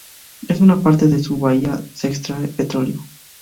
En una parte de su bahía se extrae petróleo.